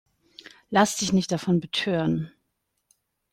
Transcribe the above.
Lass dich nicht davon betören!